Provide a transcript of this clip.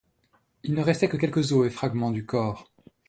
Il ne restait que quelques os et fragments du corps.